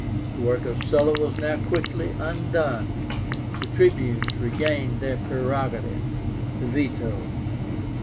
The work of Sulla was now quickly undone. The Tribunes regained their prerogative, the veto.